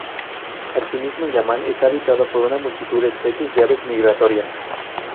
Así mismo, Yamal está habitada por una multitud de especies de aves migratorias.